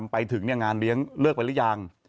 ไปถึงงานเลี้ยงเลิกไปหรือยัง